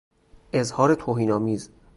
اظهار توهین آمیز